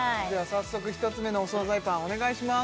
早速１つ目のお惣菜パンお願いします